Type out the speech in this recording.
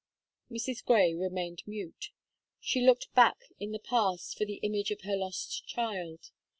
Mrs. Gray remained mute. She looked back in the past for the image of her lost child.